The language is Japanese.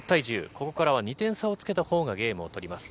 ここからは２点差をつけたほうがゲームを取ります。